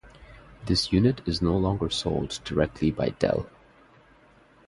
This unit is no longer sold directly by Dell.